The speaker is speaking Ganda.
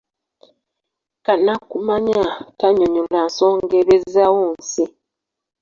Kannakumanya tannyonnyola nsonga ebezaawo nsi.